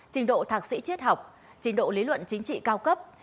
trình độ thạc sĩ triết học trình độ lý luận chính trị cao cấp